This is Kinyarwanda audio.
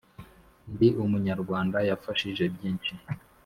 Ndi Umunyarwanda yafashije byinshi.